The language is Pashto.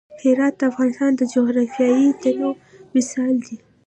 هرات د افغانستان د جغرافیوي تنوع مثال دی.